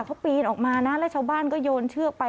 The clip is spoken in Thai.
เขาปีนออกมานะแล้วชาวบ้านก็โยนเชือกไป